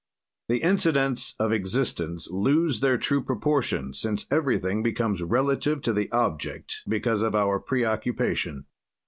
"The incidents of existence lose their true proportion, since everything becomes relative to the object because of our preoccupation.